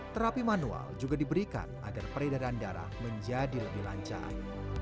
terapi manual juga diberikan agar peredaran darah menjadi lebih lancar